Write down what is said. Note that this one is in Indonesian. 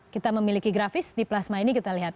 kita memiliki grafis di plasma ini kita lihat